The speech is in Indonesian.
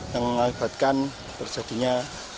yang mengakibatkan terjadinya